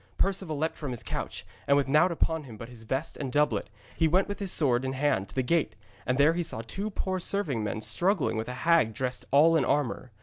Perceval leapt from his couch, and with naught upon him but his vest and doublet, he went with his sword in hand to the gate, and there he saw two poor serving men struggling with a hag dressed all in armour.